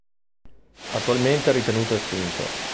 Attualmente è ritenuto estinto.